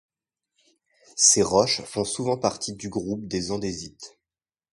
Ces roches font souvent partie du groupe des andésites.